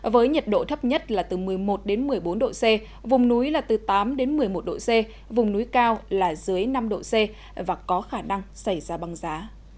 với nhiệt độ thấp nhất là từ một mươi một đến một mươi bốn độ c vùng núi là từ tám đến một mươi một độ c vùng núi cao là dưới năm độ c và có khả năng xảy ra băng giá